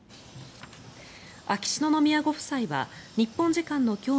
秋篠宮ご夫妻は日本時間の今日